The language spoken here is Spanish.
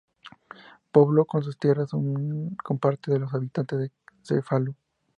Pobló sus tierras con parte de los habitantes de Cefalú.